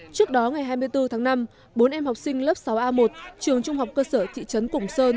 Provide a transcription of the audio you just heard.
trước đó ngày hai mươi bốn tháng năm bốn em học sinh lớp sáu a một trường trung học cơ sở thị trấn củng sơn